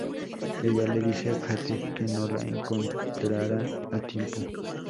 Ella le dice a Kate que no la encontrarán a tiempo.